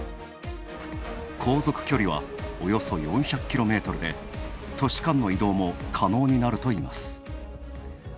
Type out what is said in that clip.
航続距離はおよそ４００ｋｍで都市間の移動も可能になるといいます。